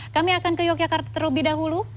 kami akan ke yogyakarta terlebih dahulu